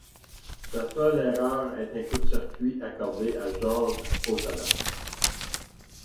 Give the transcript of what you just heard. Sa seule erreur est un coup de circuit accordé à Jorge Posada.